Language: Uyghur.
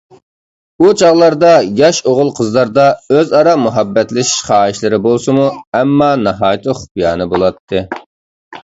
ئۇ چاغلاردا ياش ئوغۇل-قىزلاردا ئۆزئارا مۇھەببەتلىشىش خاھىشلىرى بولسىمۇ، ئەمما ناھايىتى خۇپىيانە بولاتتى.